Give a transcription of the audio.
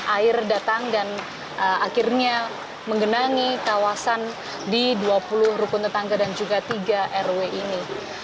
air datang dan akhirnya menggenangi kawasan di dua puluh rukun tetangga dan juga tiga rw ini